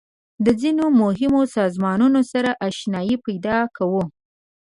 د ځینو مهمو سازمانونو سره آشنایي پیدا کوو.